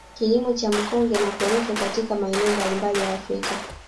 Kilimo cha mkonge na Korosho katika maeneo mbalimbali ya Afrika